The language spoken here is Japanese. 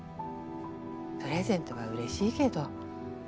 プレゼントはうれしいげど